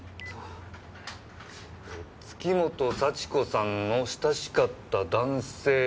「月本幸子さんの親しかった男性」